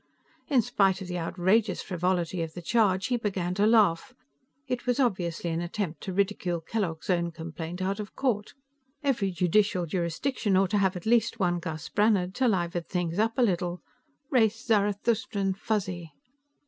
In spite of the outrageous frivolity of the charge, he began to laugh. It was obviously an attempt to ridicule Kellogg's own complaint out of court. Every judicial jurisdiction ought to have at least one Gus Brannhard to liven things up a little. Race Zarathustran Fuzzy!